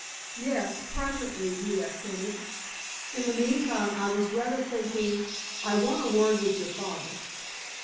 "Yes, presently," he assented. "In the meantime, I was rather thinking I want a word with your father."